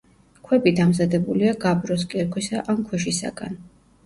ქვები დამზადებულია გაბროს, კირქვისა ან ქვიშაქვისაგან.